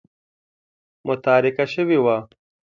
متارکه شوې وه.